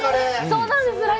そうなんです。